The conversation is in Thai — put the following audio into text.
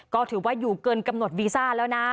ก็ถือว่าอยู่เกินกำหนดวีซ่าแล้วนะ